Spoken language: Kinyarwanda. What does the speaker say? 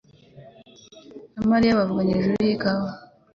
na Mariya bavuganye hejuru yikawa.